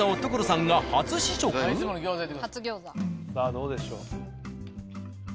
さあどうでしょう？